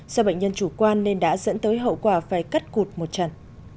do bệnh nhân chủ quan nên đã dẫn tới hậu quả phải cắt cụt một trần